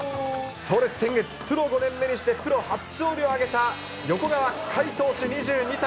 そうです、先月、プロ５年目にして、プロ初勝利を挙げた横川凱投手２２歳。